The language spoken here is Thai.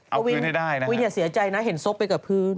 เอาถึงให้ได้นะฮะวินอย่าเศียใจนะเห็นสกไปกับพื้น